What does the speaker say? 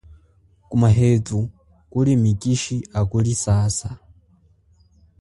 Kumahethu kuli mikishi akulisasa.